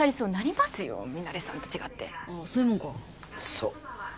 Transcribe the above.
そう。